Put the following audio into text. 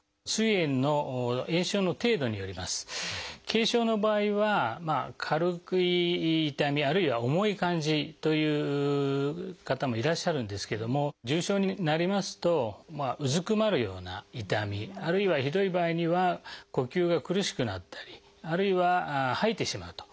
軽症の場合は軽い痛みあるいは重い感じという方もいらっしゃるんですけども重症になりますとうずくまるような痛みあるいはひどい場合には呼吸が苦しくなったりあるいは吐いてしまうと。